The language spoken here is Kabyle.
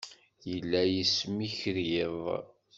Yella yesmikriḍ.